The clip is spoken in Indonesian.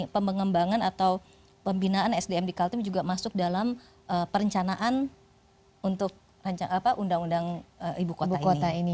pengembangan atau pembinaan sdm di kaltim juga masuk dalam perencanaan untuk undang undang ibu kota ini